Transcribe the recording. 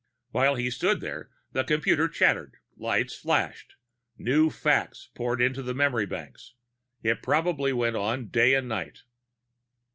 While he stood there, the computer chattered, lights flashed. New facts poured into the memory banks. It probably went on day and night.